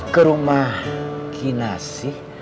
ke rumah kinasi